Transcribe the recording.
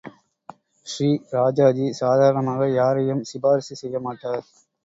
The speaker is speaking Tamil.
ஸ்ரீ ராஜாஜி சாதாரணமாக யாரையும் சிபாரிசு செய்யமாட்டார்.